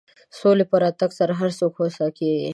د سولې په راتګ سره هر څوک هوسا کېږي.